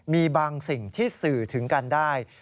มีบางสิ่งที่สื่อถึงกันได้